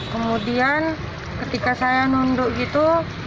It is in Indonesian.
kemudian ketika saya nunduk gitu